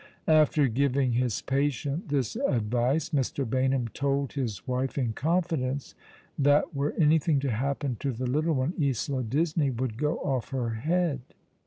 After giving his patient this advice, Mr. Baynham told his wife, in confidence, that were anything to happen to the little one, Isola Disney would go off her head.